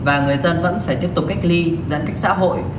và người dân vẫn phải tiếp tục cách ly giãn cách xã hội